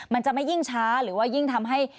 มันจะไม่ยิ่งช้าหรือว่ายิ่งทำให้